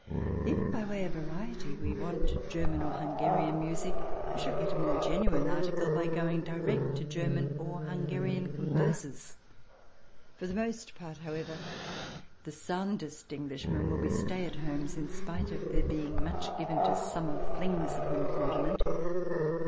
If, by way of variety, we want German or Hungarian music we shall get a more genuine article by going direct to German or Hungarian composers. For the most part, however, the soundest Englishmen will be stay at homes, in spite of their being much given to summer flings upon the continent.